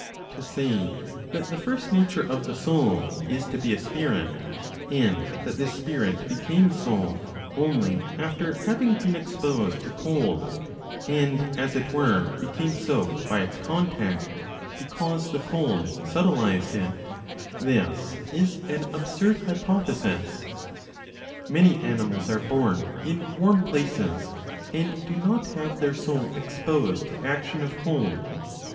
To say that the first nature of the soul is to be a spirit, and that this spirit became soul only after having been exposed to cold, and as it were became soaked by its contact, because the cold subtilized it; this is an absurd hypothesis. Many animals are born in warm places, and do not have their soul exposed to action of cold.